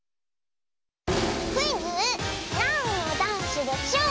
クイズ「なんのダンスでしょう」